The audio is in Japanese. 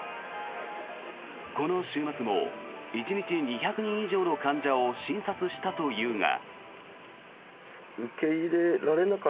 この週末も１日２００人以上の患者を診察したというが。